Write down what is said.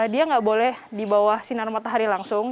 dia yang akan di bawah sinar matahari langsung